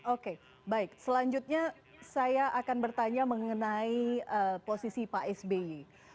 oke baik selanjutnya saya akan bertanya mengenai posisi pak sby